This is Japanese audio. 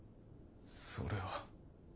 それは。